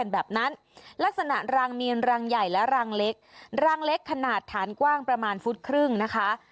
แบบนั้นลักษณะรังมีนรังใหญ่และรังเล็กรังเล็กขนาดฐานกว้างประมาณฟุตครึ่งนะคะ